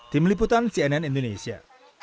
tim liputan cnn indonesia